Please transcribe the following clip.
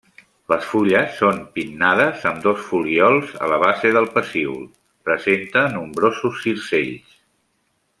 Les fulles són pinnades amb dos folíols a la base del pecíol, presenta nombrosos circells.